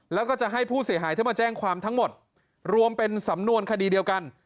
แล้วก็จะให้ผู้เสียหายที่มาแจ้งความทั้งหมดรวมเป็นสำนวนคดีเดียวกัน